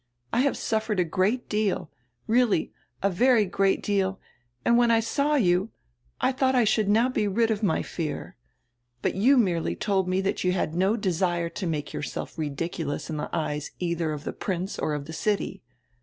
I have suffered a great deal, really a very great deal, and when I saw you I diought I should now be rid of my fear. But you merely told me you had no desire to make yourself ridiculous in the eyes either of die Prince or of die city.